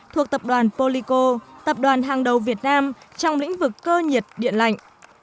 thuộc tập đoàn polico tập đoàn hàng đầu việt nam trong lĩnh vực cơ nhiệt điện lạnh